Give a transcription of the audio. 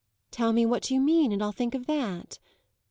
"Tell me what you mean, and I'll think of that."